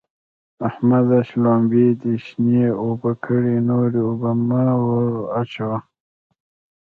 احمده! شلومبې دې شنې اوبه کړې؛ نورې اوبه مه ور اچوه.